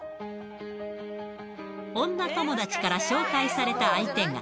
女友達から紹介された相手が。